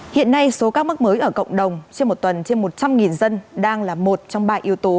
hiện nay số ca mắc mới ở cộng đồng trên một tuần trên một trăm linh dân đang là một trong ba yếu tố